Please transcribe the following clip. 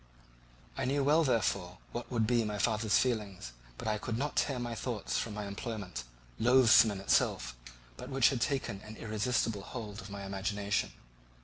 I knew well therefore what would be my father's feelings, but I could not tear my thoughts from my employment, loathsome in itself, but which had taken an irresistible hold of my imagination.